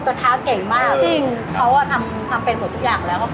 เขาทำเป็นหมดทุกอย่างแล้วเขาเป็นแล้ว